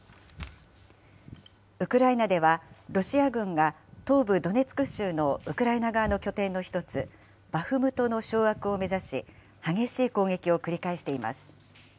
ウクライナでは、ロシア軍が東部ドネツク州のウクライナ側の拠点の１つ、バフムトの掌握を目指し、激しい攻撃を繰り返しています。